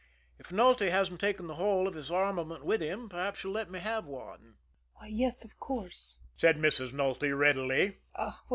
If Nulty hasn't taken the whole of his armament with him, perhaps you'll let me have one. "Why, yes, of course," said Mrs. Nulty readily.